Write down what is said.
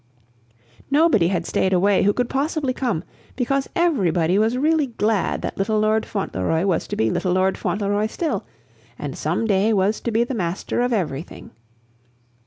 Nobody had staid away who could possibly come, because everybody was really glad that little Lord Fauntleroy was to be little Lord Fauntleroy still, and some day was to be the master of everything.